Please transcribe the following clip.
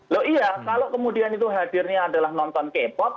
loh iya kalau kemudian itu hadirnya adalah nonton k pop